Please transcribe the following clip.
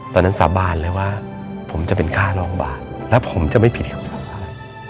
ตอนนั้นสาบานเลยว่าผมจะเป็นค่ารองบาทและผมจะไม่ผิดของสาบาน